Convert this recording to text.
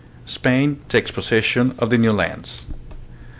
Spain Takes Possession of the New Lands.